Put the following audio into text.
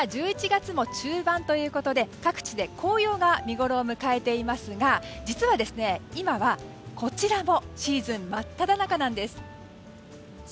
１１月も中盤ということで各地で紅葉が見ごろを迎えていますが実は、今はこちらもシーズン真っただ中なんです。